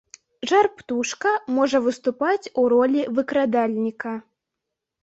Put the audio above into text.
Жар-птушка можа выступаць у ролі выкрадальніка.